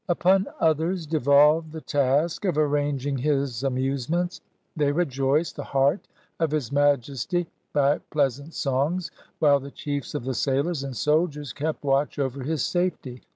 Upon others devolved the task of arranging his amusements; they rejoiced the heart of His Majesty by pleasant songs, while the chiefs of the sailors and soldiers kept watch over his safety.